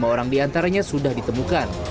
lima orang diantaranya sudah ditemukan